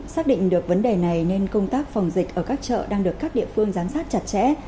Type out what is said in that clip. xác định được vấn đề này nên công tác phòng dịch ở các chợ đang được các địa phương giám sát chặt chẽ